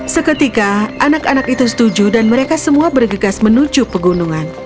seketika anak anak itu setuju dan mereka semua bergegas menuju pegunungan